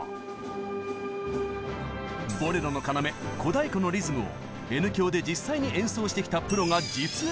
「ボレロ」の要小太鼓のリズムをＮ響で実際に演奏してきたプロが実演！